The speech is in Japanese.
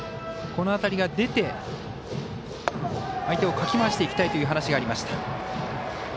この辺りが出て、相手をかき回していきたいと話がありました。